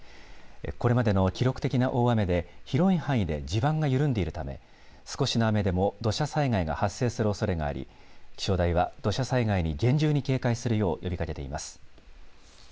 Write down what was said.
これまでの記録的な大雨で広い範囲で地盤が緩んでいるため少しの雨でも土砂災害が発生するおそれがあり気象台は土砂災害に厳重に警戒するよう呼びかけています。